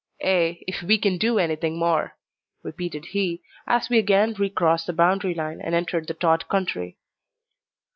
"Ay if we can do anything more," repeated he, as we again recrossed the boundary line, and entered the Tod country.